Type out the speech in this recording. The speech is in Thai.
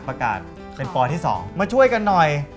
เป็นปอที่๒มาช่วยกันหน่อย